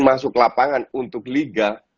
masuk lapangan untuk liga